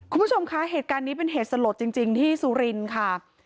คุณผู้ชมคะเหตุการณ์นี้เป็นเหตุสลดจริงที่สุรินทร์ค่ะ